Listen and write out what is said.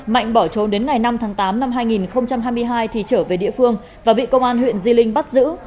mạnh bỏ trốn đến ngày năm tháng tám năm hai nghìn hai mươi hai thì trở về địa phương và bị công an huyện di linh bắt giữ